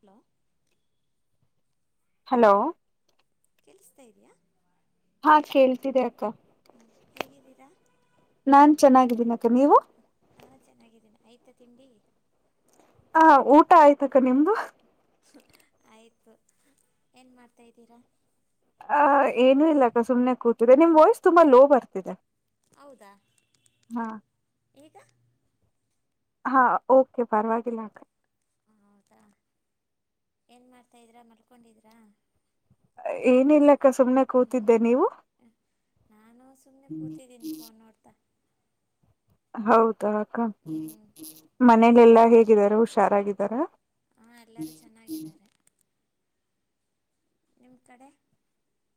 Hello hello ಕೆಲ್ಸತಾ ಇದಯಾ ಹಾ ಕೇಳ್ತಿದೆ ಅಕ್ಕ ಹ್ಞೂ ಹೇಗಿದ್ದೀರಾ ನಾನ್ ಚೆನ್ನಾಗಿದ್ದೀನಕ ನೀವು ನಾನು ಚೆನ್ನಾಗಿದ್ದೀನಿ ಆಯ್ತಾ ತಿಂಡಿ ಹ ಊಟ ಆಯ್ತಕ್ಕ ನಿಮ್ದು ಆಯ್ತು ಏನ್ ಮಾಡ್ತಾ ಇದೀರಾ ಆ ಏನುೂ ಇಲ್ಲಕ್ಕ ಸುಮ್ನೆ ಹ್ಞೂ ಕೂತಿದೆ ನಿಮ್ ವಾಯ್ಸ್ ತುಂಬಾ ಲೋ ಬರ್ತಿದೆ ಹೌದಾ ಹಾ ಈಗ ಹಾ ಓಕೆ ಪರವಾಗಿಲ್ಲಕ ಹೌದಾ ಏನು ಮಾಡ್ತಾದ್ದೀರಾ ಮಲ್ಕೊಂಡಿದೀರಾ ಏನಿಲ್ಲ ಅಕ್ಕ ಸುಮ್ನೆ ಕೂತಿದ್ದೆ ನೀವು ಹ್ಞೂ ನಾನು ಸುಮ್ಮನೆ ಕೂತಿದ್ದೀನಿ ಫೋನ್ ನೋಡ್ತಾ ಹೌದಾ ಅಕ್ಕ ಹ್ಞೂ ಮನೇಲೆಲ್ಲಾ ಹೇಗಿದಾರ ಹುಷಾರಾಗಿದ್ದಾರ ಹಾ ಎಲ್ಲರೂ ಚೆನ್ನಾಗಿದ್ದಾರೆ ನಿಮ ಕಡೆ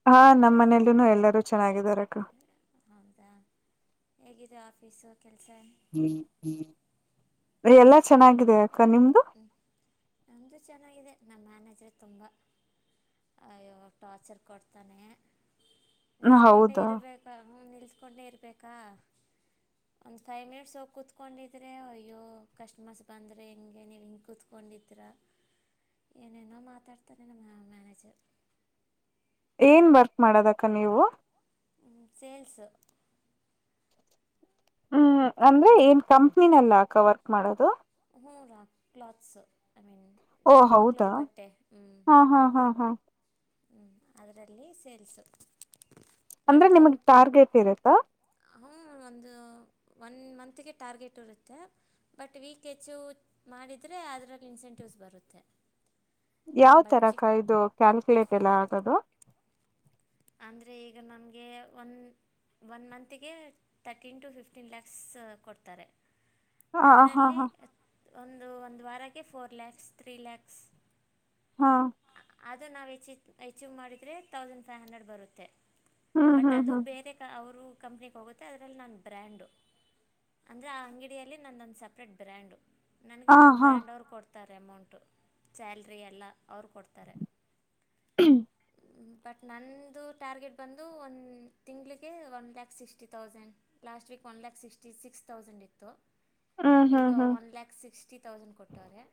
ಹಾ ನಮ್ಮ್ ಮನೇಲ್ಲೂ ಎಲ್ಲರೂ ಚೆನ್ನಾಗಿದಾರಕ್ಕ ಹೌದಾ ಹೇಗಿದೆ ಆಫೀಸ್ ಕೆಲಸ ಹ್ಮ ಎಲ್ಲ ಚೆನ್ನಾಗಿದೆ ಅಕ್ಕ ನಿಮ್ದು ನಮ್ಮದು ಚೆನ್ನಾಗಿದೆ ನಮ್ಮ ಮ್ಯಾನೇಜ್ರ ತುಂಬ ಅಯ್ಯೋ ಟಾರ್ಚರ್ ಕೊಡ್ತಾನೆ ನಿಲ್ಸ್ಕೊಂಡೇ ಹೌದಾ ಇರ್ಬೇಕಾ ಹ್ಞೂ ನಿಲ್ಸ್ಕೊಂಡೇ ಇರ್ಬೇಕಾ ಒಂದ್ ಫೈವ್ ಮಿನಿಟ್ಸ್ ಹೋಗಿ ಕುೂತ್ಕೊಂಡಿದ್ರೆ ಅಯ್ಯೋ ಕಸ್ಟಮರ್ಸ್ ಬಂದರೆ ಹಂಗೆ ನೀವು ಹಿಂಗೆ ಕೂತ್ಕೊಂಡಿದ್ದರ ಏನೆನೋ ಮಾತಾಡ್ತಾನ ನಮ್ಮ ಮ್ಯನೇಜರ್ ಏನ್ ವರ್ಕ್ ಮಾಡದಕ್ಕ ನೀವು ಸೇಲ್ಸ್ ಹ್ಮ್ ಅಂದ್ರೆ ಏನ್ ಹ್ಞೂ ಕಂಪನಿನಲ್ಲ ಅಕ್ಕ ವರ್ಕ್ ಮಾಡೋದು ಹೂ ರಾ ಕ್ಲಾತ್ಸ್ ಓ ಹೌದಾ ಹಾ ಹಾ ಹಾ ಹಾ ಹ್ಮ್ ಅದರಲ್ಲಿ ಸೇಲ್ಸು ಅಂದ್ರೆ ನಿಮಗ್ ಟಾರ್ಗೆಟ್ ಇರುತ್ತಾ ಅವನು ಒಂದು ಒನ್ ಮಂತ್ಗೆ ಟಾರ್ಗೆಟ್ ಇರುತ್ತೆ ಬಟ್ ವೀಕ್ ಸ್ಕೆಚ್ಚು ಮಾಡಿದರೆ ಅದರಲ್ಲಿ ಇನ್ಸೆಂಟಿವ್ಸ್ ಬರುತ್ತೆ ಯಾವ್ ತರ ಬಟ್ ಅಕ್ಕ ಇದು ಕ್ಯಾಲ್ಕುಲೇಟ್ ಎಲ್ಲ ಆಗದು ಅಂದ್ರೆ ಈಗ ನನಗೆ ಒಂದ ಒನ್ ಮತ್ಗೆ ತರ್ಟೀನ್ ಟು ಫಿಫ್ಟೀನ್ ಲ್ಯಾಕ್ಸ್ ಕೊಡ್ತಾರೆ ಹ ಹಾ ಅದರಲ್ಲಿ ಹಾ ಒಂದು ಒಂದು ವಾರಕ್ಕೆ ಫೋರ್ ಲ್ಯಾಕ್ಸ್ ತ್ರೀ ಲ್ಯಾಕ್ಸ್ ಹಾ ಅದು ನಾವು ಹೆಚ್ಚು ಹೆಚ್ಚು ಮಾಡಿದರೆ ತೌಸಂಡ್ ಫೈವ್ ಹಂಡ್ರೆಡ್ ಬರುತ್ತೆ ಹ್ಮ್ ಬಟ್ ಹ್ಮ್ ಅದು ಹ್ಮ್ ಬೇರೆ ಕ ಅವರು ಕಂಪ್ನಿಗೆ ಹೋಗುತ್ತೆ ಅದರಲ್ಲಿ ನಾನ ಬ್ರ್ಯಾಂಡು ಅಂದ್ರೆ ಆ ಅಂಗಡಿಯಲ್ಲಿ ನಂದೊಂದು ಸಪ್ರೇಟ್ ಬ್ರ್ಯಾಂಡು ಹ ನನಗೆ ನಮ್ಮ ಹಾ ಬ್ರ್ಯಾಂಡ್ ಅವ್ರು ಕೊಡ್ತಾರೆ ಅಮೌಂಟು ಸ್ಯಾಲ್ರಿ ಎಲ್ಲ ಅವ್ರು ಕೊಡ್ತಾರೆ ಹ್ಮ ಬಟ್ ನನ್ನದು ಟಾರ್ಗೆಟ್ ಬಂದು ಒಂದು ತಿಂಗಳಿಗೆ one lakh sixty thousand last week ಒನ್ಲಕ್ಟಿ ಸಿಕ್ಸ್ ತೌಸಂಡ್ ಇತ್ತು ಹ್ಮ್ ಈಗ ಹ್ಮ್ ಹ್ಮ್ ಒನ್ ಲ್ಯಾಕ್ ಸಿಕ್ಸ್ಟಿ ತೌಸಂಡ್ ಕೊಟ್ಟವ್ರೆ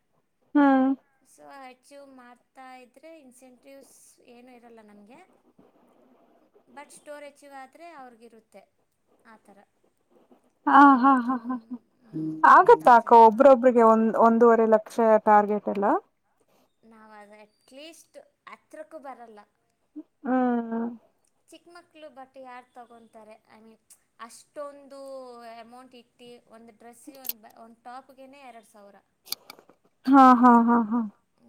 ಹ್ಮ್ ಸ [unintelligible] ವ್ ಮಾಡ್ತಾ ಇದ್ರರೆ ಇನ್ಸೆಂಟಿವ್ಸ್ ಏನುೂ ಇರೋಲ್ಲ ನಮಗೆ ಬಟ್ ಸ್ಟೋರ್ ಹೆಚ್ಚಗಾದ್ರೆ ಅವ್ರಿಗಿರುತ್ತೆ ಆ ಥರ ಹಾ ಅಯ್ಯೋ ಹಾ ಹ ತುಂಬ ಹ ತುಂಬ ಆಗತ್ತ ಆಕ ಟಾರ್ಚರ್ ಕೊಡ್ತಾರೆ ಒಬ್ರೊಬ್ರಿಗೆ ಒಂದ್ ಒಂದೂವರೆ ಲಕ್ಷ ಟಾರ್ಗೆಟ್ ಯಲ್ಲ ನಾವ ಅದು ಅಟ್ಲೀಸ್ಟ್ ಹತ್ರಕ್ಕೂ ಬರಲ್ಲ ಹ್ಮ್ ಚಿಕ್ಕ ಮಕ್ಳು ಬಟ್ಟೆ ಯಾರು ತಗೊತಾರೆ ಐ ಮೀನ್ ಅಷ್ಟೊಂದು ಅಮೌಂಟ್ ಇಟ್ಟು ಒಂದ್ ಡ್ರೆಸ್ಗೆ ಒಂದ ಒಂದ್ ಟಾಪ್ಗೆನೆೇ ಎರಡ್ ಸಾವರ ಹಾ ಹಾ ಹಾ ಹಾ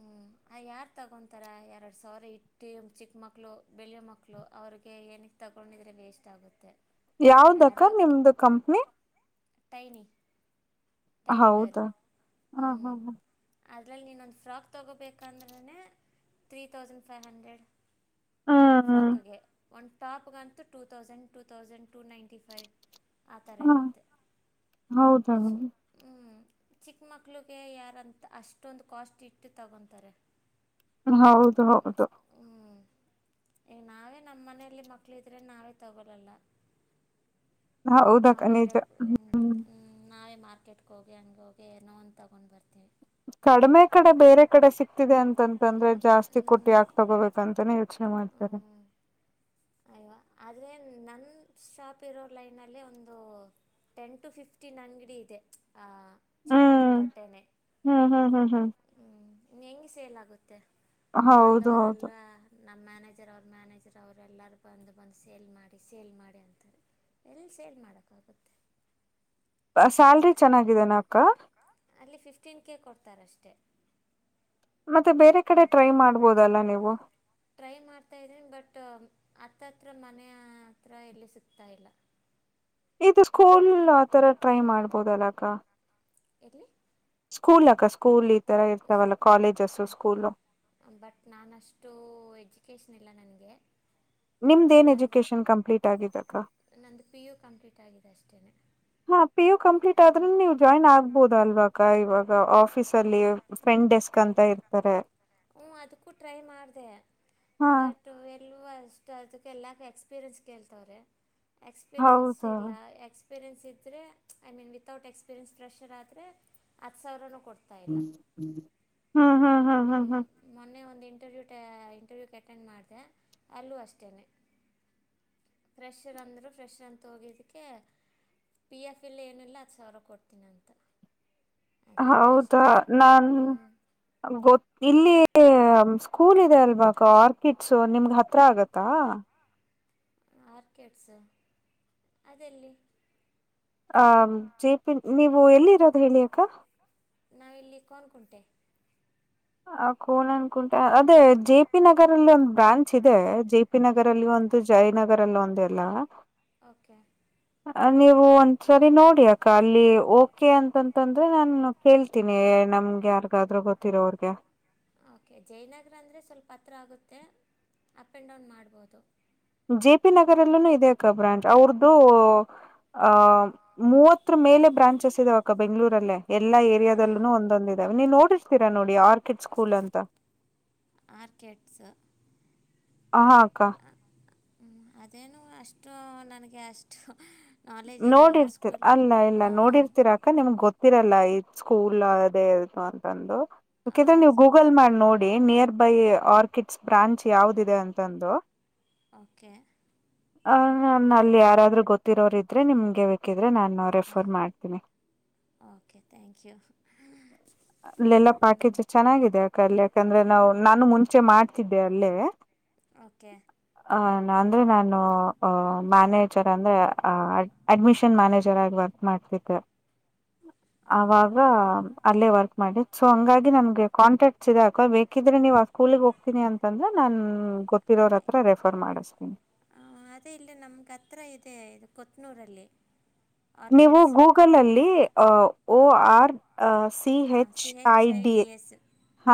ಹ್ಮ ಆ ಯಾರು ತಗೊತಾರ ಎರಡು ಸಾವಿರ ಇಟ್ಟು ಚಿಕ್ಕ ಮಕ್ಳು ಬೆಳಿಯ ಮಕ್ಳು ಅವ್ರರಿಗೆ ಏನಿಗೆ ತೊಗೊಂಡಿದ್ರರೆ ವೇಸ್ಟ್ ಆಗುತ್ತೆ ಯಾವ್ದಕ್ಕ ಯಾರೋ ನಿಮ್ದು ಕಂಪ್ನಿ ಟೈನಿ ಟೈನಿ ಗರ್ಲ್ ಹೌದಾ ಹ ಹ್ಞೂ ಹ ಹ ಅದರಲ್ಲಿ ನೀನೊಂದು ಫ್ರಾಕ್ ತೊಗೋಬೇಕಂದ್ರೇ three thousand five hundred one ಹ್ಮ್ ಫ್ರಾಕ್ಗೆ ಒಂದು ಟಾಪ್ಗಂತು two thousand two thousand two ninety five ಆ ಥರ ಹ್ಮ್ ಇರುತ್ತೆ ಹೌದ ಸೊ ಚಿಕ್ಕ ಮಕ್ಳಿಗೆ ಯಾರಂತ ಅಷ್ಟೊಂದು ಕಾಸ್ಟ್ ಇಟ್ಟು ತಗೊತಾರೆ ಹೌದು ಹೌದು ಹ್ಞೂ ಈಗ ನಾವೇ ನಮ್ಮ ಮನೆಯಲ್ಲಿ ಮಕ್ಳು ಇದ್ರೆ ನಾವೇ ತಗೊಳಲ್ಲ ಹಾ ಹೌದಾಕನಜ್ಮ ಹ್ಮ ನಾವೇ ಮಾರ್ಕೆಟ್ಗ ಹೋಗಿ ಹಂಗೆ ಹೋಗಿ ನೋನ್ ತೊಗೊಂಡು ಬರ್ತೀವಿ ಕಡಿಮೆ ಕಡೆ ಬೇರೆ ಕಡೆ ಸಿಕ್ತಿದೆ ಸಿಗ್ತಿದೆ ಅಂತಂತಂದ್ರೆ ಜಾಸ್ತಿ ಅಂದ್ರೆ ನಾನು ಎರಡು ಕುಟ್ಟಿ ಸಾವಿರ ಆಕ್ ಕೊಟ್ಟು ತಗೋಬೇಕಂತಾನೇ ಹೇಳ್ ಇ ಮಾಡ್ತಾರೆ ಅಯವಾ ಆದ್ರೆ ನನ್ ಶಾಪ್ ಇರೋ ಲೈನ್ ಒಂದು ಟೆನ್ ಟು ಫಿಫ್ಟೀನ್ ಅಂಗಡಿ ಇದೆ ಆ ಚಿಕ್ಕ ಮಕ್ಳ ಹ್ಮ್ ಬಟ್ಟೆನೆ ಹ್ಮ್ ಹ್ಮ್ ಹ್ಮ್ ಹ್ಮ್. ಹ್ಮ್ ಹೆಂಗಗೆ ಸೇಲಾಗುತ್ತೆ ಮ ಹೌದು ಹೌದು ಬಾಂಧವರೆಲ್ಲಾ ನಮ್ಮ ಮ್ಯಾನೇಜರ್ ಅವ್ರ ಮ್ಯಾನೇಜರ್ ಅವರೆ ಎಲ್ಲರ ಬಂದು ಬಂದು ಸೇಲ್ ಮಾಡಿ ಸೇಲ್ ಮಾಡಿ ಅಂತಾರೆ ಎಲ್ಲಿ ಸೇರಿ ಮಾಡಕ್ಕಾಗುತ್ತೆ ಸ್ಯಾಲ್ರಿ ಚೆನ್ನಾಗಿದೆನ ಅಕ್ಕ ಎ [inaudible] ಮತ್ತೆ ಬೇರೆ ಕಡೆ ಟ್ರೈ ಮಾಡ್ಬೋದಲ್ಲ ನೀವು ಹತ್ತ ಹತ್ರ ಮನೆಯ ಹತ್ರ ಎಲ್ಲಿ ಸಿಗ್ತಾ ಇಲ್ಲ ಇದು ಸ್ಕೂಲ್ ಆತರ ಟ್ರೈ ಮಾಡ್ಬೋದಲ್ಲಕ್ಕ ಎಲಿ ಸ್ಕೂಲ್ ಅಕ್ಕ ಸ್ಕೂಲ್ ಈ ತರ ಇರ್ತಾವಲ್ಲ ಕಾಲೇಜ ಸ್ಕೂಲ ಬಟ್ ನಾನ ಅಷ್ಟು ಎಜುಕೇಶನ್ ಇಲ್ಲ ನನ್ಗೆ ನಿಮ್ದೇನ್ ಎಜುಕೇಶನ್ ಕಂಪ್ಲೀಟ್ ಆಗಿದ್ದಕ್ಕ ನಂದು ಪಿ ಯು ಕಂಪ್ಲೀಟ್ ಆಗಿದೆ ಅಷ್ಟೇ ಹಾ ಪಿ ಯು ಕಂಪ್ಲೀಟ್ ಆದ್ರೆ ನೀವು ಜಾಯ್ನ್ ಆಗ್ಬೋದ ಅಲ್ವಾಕ ಇವಾಗ ಆಫೀಸ ಅಲ್ಲಿ ಫ್ರೆಂಟ್ ಡೆಸ್ಕ್ ಅಂತ ಇರ್ತಾರೆ ಹ್ಞೂ ಅದಕ್ಕೂ ಟ್ರೈ ಮಾಡಿದೆ ಹಾ ಬಟ್ ಹೊಸದು ಅದಕ್ಕೆಲ್ಲಾಕ ಎಕ್ಸ್ಪೀರಿಯೆನ್ಸ್ ಕೇಳ್ತವ್ರೆ ಎಕ್ಸ್ಪೀರಿಯೆನ್ಸ್ ಹೌದಾ. ಇಲ್ಲ ಎಕ್ಸ್ ಎಕ್ಸ್ಪೀರಿಯೆನ್ಸ್ ಇದ್ರೆ I mean without experience pressure ಆದರೆ ಹತ್ತು ಸಾವಿರ ಹ್ಮ್ ಹ್ಮ್ ಹ್ಮ್ ಮೊನ್ನೆ ಒಂದು ಇಂಟರ್ವ್ಯೂಟ ಇಂಟರ್ವ್ಯೂ ಅಟೆಂಡ್ ಮಾಡಿದೆ ಅಲ್ಲೂ ಅಷ್ಟೇನೆ ಫ್ರೆಷರ್ ಅಂದ್ರರು ಫ್ರೆಷರ್ ಅಂತೋಗಿದಕ್ಕೆ ಪಿ ಎಫ್ ಎಲ್ಲಿ ಏನಿಲ್ಲ ಅದು ಸಾವಿರ ಕೊಡ್ತೀನ ಅಂತ ಹೌದಾ ನಾನ್ ಗೊ ಇಲ್ಲಿ ಸ್ಕೂಲ್ ಇದೆ ಅಲ್ವಾ ಆರ್ಕಿಡ್ಸ ನಿಮಗ ಹತ್ರ ಆಗತ್ತಾ ಆರ್ಕಿಡ್ಸು ಅದೆಲ್ಲಿ ಆ ಜೆಪಿ ನೀವು ಎಲ್ಲಿರೋದು ಹೇಳಿಯಕ್ಕ ನಾವಿಲ್ಲಿ ಕೋಣನಕುಂಟೆ ಆ ಕೋಣನಕುಂಟೆ ಅದೇ J P J P Nagar ಅಲ್ಲಿ ಒಂದು ಬ್ರಾಂಚ್ ಇದೆ ಜೆ ಪಿ ನಗರ್ ಅಲ್ಲಿ ಒಂದು ಜಯನಗರ್ ಅಲ್ಲಿ ಒಂದು ಎಲ್ಲ ಓಕೆ [unintelligible] ನೀವು ಒಂದ್ಸರಿ ನೋಡಿ ಅಕ್ಕಾ ಅಲ್ಲಿ ಓಕೆ ಅಂತಂತಂದ್ರೆ ನಾನು ಕೇಳ್ತೀನಿ ನಮ್ಗೆ ಯಾರ್ಗಾದ್ರೂ ಗೊತ್ತಿರೋಗೆ ಓಕೆ ಜಯನಗರ ಅಂದ್ರೆ ಸ್ವಲ್ಪ ಹತ್ರ ಆಗುತ್ತೆ ಅಪ್ ಆ್ಯಂಡ್ ಡೌನ್ ಮಾಡ್ಬೋದು ಜೆ ಪಿ ನಗರಲ್ಲೂ ಇದೆ ಅಕ್ಕ ಬ್ರಾಂಚ್ ಅವ್ರ್ದು ಅಹ ಮೂವತ್ತರ ಮೇಲೆ ಬ್ರಾಂಚಸ್ ಇದಾವಕ್ಕ ಬೆಂಗ್ಗಳೂರಲ್ಲೇ ಎಲ್ಲಾ ಏರಿಯಾದಲ್ಲೂ ಒಂದೊಂದ ಇದೆ ನೀ ನೋಡಿರ್ತೀರಾ ನೋಡಿ ಆರ್ಕಿಡ್ ಸ್ಕೂಲ್ ಅಂತ ಆರ್ಕೆಡ್ಸ್ ಹ ಅಕ್ಕಾ ಅದೇನು ಅಷ್ಟು ನನಗೆ ಅಷ್ಟು ನಾಲೆಜ್ ಇರಲಿಲ್ಲ ನೋಡಿರ್ತಿರ ಸ್ಕೂಲ್ ಅಲ್ಲ ಇಲ್ಲ ನೋಡಿರ್ತಿರಾ ಅಕ್ಕಾ ನಿಮ್ಗ್ ಗೊತ್ತಿರತೆ ಸ್ಕೂಲ್ ಅದೇ ಇ ಅಂತಂದು ಬೇಕಿದ್ರೆ ನೀವು ಹೌದು ಗೂಗಲ್ ಮಾಡಿ ನೋಡಿ the near by Orchids branch ಯಾವ್ದ ಇದೆ ಅಂತಂದು ಓಕೆ ಹ ನನ್ ಅಲ್ಲಿ ಯಾರಾದ್ರೂ ಗೊತ್ತಿರೋರು ಇದ್ರೆ ನಿಮ್ಗೆ ಬೇಕಿದ್ರೆ ಆದ್ರೆ ನಾನು ರೆಫರ್ ಮಾಡ್ತೀನಿ ಕ [unintelligible] ಹ [inaudible] ಅಲ್ಲೆಲ್ಲಾ ಪ್ಯಾಕೇಜ್ ಚೆನ್ನಾಗಿದೆ ಅಕ್ಕಾ ಅಲ್ಲಿ ಯಾಕಂದ್ರೆ ನಾವು ನಾನು ಮುಂಚೆ ಮಾಡ್ತಿದ್ದೆ ಅಲ್ಲೇ ಓಕೆ ಅ ಅಂದ್ರೆ ನಾನು ಅ ಮ್ಯಾನೇಜರ್ ಅಂದ್ರೆ ಅ ಅಡ್ಮಿಷನ್ ಮ್ಯಾನೇಜರ್ ಆಗಿ ವರ್ಕ್ ಮಾಡಬೇಕು ಅವಾಗ ಅಲ್ಲೇ ವರ್ಕ್ ಮಾಡಿ ಸೊ ಹಂಗಾಗಿ ನನಗೆ ಕಾಂಟ್ಯಾಕ್ಟ್ಸ್ ಇದಾಕ ಬೇಕಿದ್ರೆ ನೀವು ಸ್ಕೂಲ್ ಗೆ ಹೋಗತೀನಿ ಅಂತಂದ್ರೆ ನಾನು ಗೊತ್ತಿರೋರ ಹತ್ರ ರೆಫರ್ ಮಾಡಿಸ್ತೀನಿ ಹ ಅದೇ ಇಲ್ಲಿ ನಮ್ಗ ಹತ್ರ ಇದೆ ಇದು ಕೊತ್ನೂರಲ್ಲಿ ನೀವು ಆರ್ಚಿಡ್ಸು ಗೂಗಲ ಅಲ್ಲಿ ಓ ಆರ್ [unintelligible] ಸಿ ಹಾಂ H C H I D S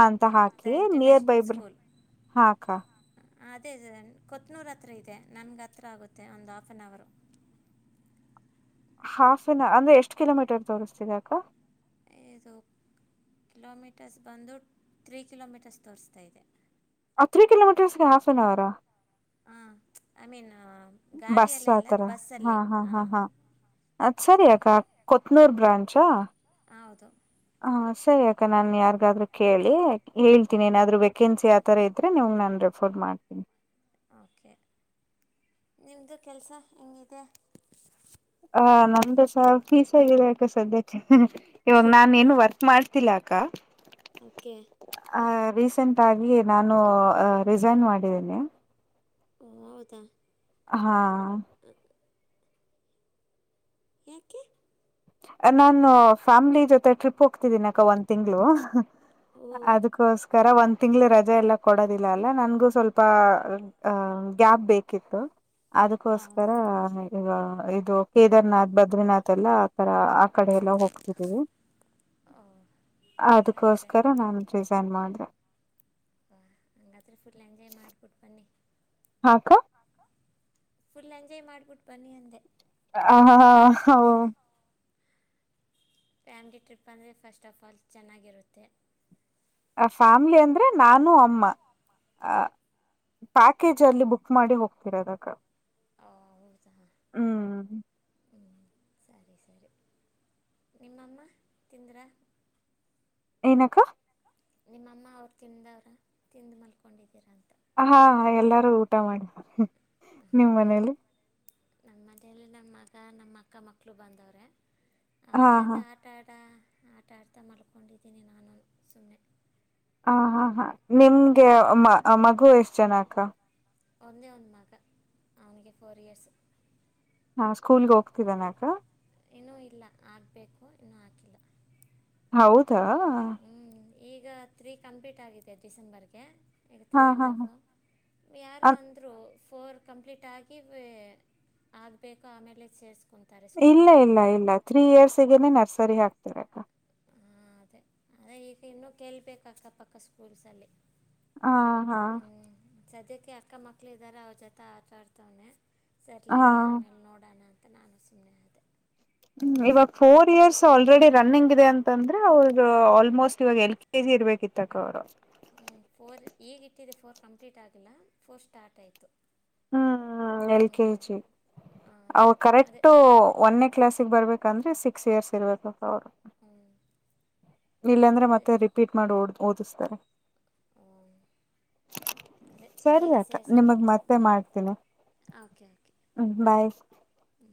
ಅಂತ ಹಾಕಿ ದ ನಿಯರ್ ಬೈ ಇಂಟರ್ನ್ಯಾಷನಲ್ ಬ ಸ್ಕೂಲ್ ಹಾ ಅಕ್ಕಾ ಅದೇ ಅದೇ ಕೊತ್ನೂರ ಹತ್ರ ಇದೆ ನಮಗೆ ಹತ್ರ ಆಗುತ್ತೆ ಒಂದು ಆಫ್ ಆನ್ ಅವರು [unintelligible] [inaudible] ಹಾಫ್ ಅನ್ ಅವರ್ ಅಂದ್ರೆ ಎಷ್ಟು ಕಿಲೋಮೀಟರ್ ತೋರಿಸ್ತಿದೆ ಅಕ ಏದು [unintelligible] ಕಿಲೋಮೀಟರ್ಸ್ ಬಂದು ತ್ರೀ ಕಿಲೋಮೀಟರ್ಸ್ ತೋರಿಸ್ತಾ ಇದೆ ಆ ತ್ರೀ ಕಿಲೋಮೀಟರ್ಸ್ಗೆ ಹಾಫ್ನ್ ಅವರಾ [unintelligible] ಹಾ ಐ ಮೀನ್ [unintelligible] ಬಸ್ ಗಾಡಿಯಲ್ಲೇ ಅಲ್ಲ ಆತರ ಹಾ ಬಸ್ಸಲ್ಲಿ ಹಾ ಹಾ ಹಾಂ ಹಾ ಅದ ಸರಿಯಗ [unintelligible] ಕೊತ್ನೂರ್ ಬ್ರಾಂಚಾ [unintelligible] ಹೌದು ಹ ಸರಿ ಅಕ ನಾ ಹಾಂ ಯಾರಿಗಾದ್ರು ಕೇಳಿ [unintelligible] ಹೇಳ್ತೀನಿ ಏನಾದ್ರು ವೇಕೆನ್ಸಿ ಆತರ ಇದ್ರೆ ನೀವ್ ನಾನು ರೆಫರ್ ಮಾಡ್ತೀನಿ ಓಕೆ ನಿಮ್ಮದು ಕೆಲಸ ಹಿಗಿದೆ [unintelligible] ಹ ನಮ್ದಸ ಫೀಸ್ ಆಗಿದೆ ಅಕ ಸದ್ಯ ಇವಾಗ ನಾನನ್ ಏನು ವರ್ಕ್ ಮಾಡ್ತಿಲ್ಲಾ [unintelligible] ಅಕ್ಕ [unintelligible] ಓಕೆ [unintelligible] ರೀಸೆಂಟ್ ಆಗಿ ನಾನು ರಿಸೈನ್ ಮಾಡಿದ್ದೀನಿ [unintelligible] ಓ ಹೌದಾ [unintelligible] ಹಾ [unintelligible] ಹ [unintelligible] ಯಕ್ಕೆೆ [unintelligible] ನಾನು ಫ್ಯಾಮ್ಲಿ ಜೊತೆ ಟ್ರಿಪ್ ಹೋಗ್ತಿದ್ದೀನ ಅಕ ಒಂದ್ ತಿಂಗ್ಗಳು [unintelligible] ಓ ಅದಕ್ಕೋಸ್ಕರ ಒ [unintelligible] ತಿಂಳ ರಜೆ ಎಲ್ಲ ಕೊಡೋದಿಲ್ಲ ಅಲ್ಲ ನನ್ಗೂ ಸ್ವಲ್ಪ ಗ್ಯಾಪ್ ಬೇಕಿತ್ತು [unintelligible] ಅದಕೋಸ್ಕರ ಹೌದು ಈಗ ಇದು ಕೇದಾರ್ನಾಥ್ ಬದ್ರಿನಾಥ್ ಎಲ್ಲ ಆತರ [unintelligible] ಕಡೆ ಎಲ್ಲ ಹೋಗ್ತಿದ್ದೀವಿ ಓ [unintelligible] ಸರಿ ಸರಿ ಅದಕೋಸ್ಕರ ನಾನೂ ರಿಸೈನ್ ಮಾಡಿದೆ [unintelligible] ಹಾ ಹಂಗತ್ರಿ ಫುಲ್ ಎಂಜಾಯ್ ಮಾಡ್ಬಿಟ್ಟು ಬನ್ನಿ [unintelligible] ಹಾ ಕ [unintelligible] ಫುಲ್ ಎಂಜಾಯ್ ಮಾಡ್ಬಿಟ್ಟು ಬನ್ನಿ ಅಂದೆ [unintelligible] ಆ ಹಾ ಹಾ ಹ [unintelligible] ಫ್ಯಾಮ್ಲಿ ಟ್ರಿಪ್ ಅಂದರೆ ಫಸ್ಟ್ ಆಫ್ ಆಲ್ ಚೆನ್ನಾಗಿರುತ್ತೆ [unintelligible] ಆ ಫ್ಯಾಮ್ಲಿ ಅಂದ್ರೆ ನಾನು ಅಮ್ಮ ಆ [unintelligible] ಪ್ಯಾಕೇಜ್ ಅಲ್ಲಿ ಬುಕ್ ಮಾಡಿ ಹೋಗ್ತೀರದಾಗ [unintelligible] ಹೌದ [unintelligible] ಹ್ಮ್ [unintelligible] ಹ್ಞೂ ಸರಿ ಸರಿ ನಿಮ್ಮಮ್ಮ ತಿಂದಿ್ರಾ [unintelligible] ಏನಕ್ಕ [unintelligible] ನಿಮ್ಮಮ್ಮ ಅವ್ರು ತಿಂದವ್ರ ತಿಂದು ಮಲ್ಕೊಂಡಿದ್ದೀರ ಅಂತ [unintelligible] ಹಾ ಎಲ್ಲಾರು ಊಟ ಮಾಡಾರೆ ನಿಮ್ ಮನೇಲಿ [unintelligible] ನಮ್ಮ ಮನೆಯಲ್ಲಿ ನಮ್ಮ ಮಗ ನಮ್ಮ ಅಕ್ಕ ಮಕ್ಳು ಬಂದವ್ರೆ [unintelligible] ಅವರು ಹಾ ಹಾ ಜತೆ ಆಟಾ ಆಟ [unintelligible] ಆಟ ಆಡ್ತಾ ಮಲ್ಕೊಂಡಿದ್ದೀನಿ ನಾನು ಸುಮ್ಮನೆ [unintelligible] ಹ ಹಾ ಹಾ ನಿಮ್ಗೆ ಮಗು ಎಷ್ಟ ಜನ ಅಕ್ಕ [unintelligible] ಒಂದೇ ಒಂದ ಮಾಕ ಅವನಿಗೆ ಫೋರ್ ಇಯರ್ಸ್ [unintelligible] ನಾ ಸ್ಕೂಲ್ಗೆ ಹೋಗ್ತಿದ್ದನಕ [unintelligible] ಬೇಕು ಇನ್ನೂ ಹಾಕಿಲ್ಲ [unintelligible] ಹೌದಾ ಹ್ಮ್, ಈಗ ತ್ರೀ ಕಂಪ್ಲೀಟ್ ಆಗಿದೆ ಡಿಸೆಂಬರ್ಗೆ ಈಗ ತ್ರೀ ಹಾ ಅಂಡ್ ಹಾ ಹಫ್ ಹಾ ಯಾರು ಅಂದ್ರರು ಫೋರ್ ಕಂಪ್ಲೀಟ್ಹಾಗಿ ವ ಆಗಬೇಕು ಆಮೇಲೆ ಸೇರ್ಸ್ಕೊು ಇಲ್ಲ ಇಲ್ಲ ಇಲ್ಲ ತ್ರೀ ಇಯರ್ಸ್ಗನೆೇ ನರ್ಸರಿ ಹಾಕ್ತಿರಕ್ಕ ಹಾಂ ಅದೇ ಆದರೆ ಈಗ ಇನ್ನೂ ಕೇಳಬೇಕು ಅಕ್ಕ ಪಕ್ಕ ಸ್ಕೂಲ್ಸಲ್ಲಿ ಹಾ ಹಾ ಸದ್ಯಕ್ಕೆ ಅಕ್ಕ ಮಕ್ಕಳು ಇದ್ದಾರೆ ಅವ್ರ ಜೊತೆ ಆತಾಡ್ತವನೆ ಹಾ ಸರ್ಲಲಿ ಆಮೇಲೆ ನೋಡೋಣ ಅಂತ ಕ ನಾನ ಸುಮ್ನೆ ಇದ್ದೆ ಹ್ಮ್ ಇವಾಗ ಫೋರ್ ಇಯರ್ಸ್ ಆಲ್ರೆಡಿ ರನ್ನಿಂಗ್ ಇದೆ ಅಂತಂದ್ರೆ ಅವ್ರ ಹ್ಞೂ ಆಲ್ಮೋಸ್ಟ್ ಇವಾಗ ಎಲ್ ಕೆ ಜಿ ಇರ್ಬೇಕಿತ್ತು ಇರ ಹ ಫೋರ್ ಈಗಿಟ್ಟಿದೆ ಫೋರ್ ಕಂಪ್ಲೀಟ್ ಆಗಿಲ್ಲ ಫೋರ್ ಸ್ಟಾರ್ಟ್ ಆಯ್ತು ಹ್ಮ ಎಲ್ ಕೆಜಿ ಹಾಂ ಅವಾಗ ಅದೇ ಕರೆಕ್ಟ್ ಒಂದೇ ಕ್ಲಾಸ್ಿಗೆ ಬರ್ಬೇಕಂದ್ರೆ ಸಿಕ್ಸ್ ಇಯರ್ಸ್ ಇರ್ಬೇಕು ಹ್ಞೂ ಇಲ್ಲಾಂದ್ರೆ ಅದೇ ಮತ್ತೆ ರಿಪೀಟ್ ಮಾಡಿ ಓ ಓದಿಸ್ತಾರೆ ಹ್ಞೂ ಅದೇ ಈಗ ಸರಿಯಕ್ಕ ನಿಮಗ್ ಸೇರಿಸ್ಬೇಕಂತ ಮತ್ತೆ ಹ್ಞೂ ಮಾಡ್ತೀನಿ ಓಕೆ ಓಕೆ ಬಾಯ್ ಹ್ಞೂ